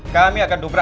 kami harus segera